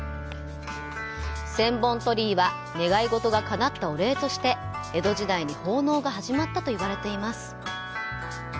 千本鳥居は願い事がかなったお礼として江戸時代に奉納が始まったといわれています。